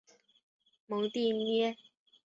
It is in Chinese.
蒙蒂涅。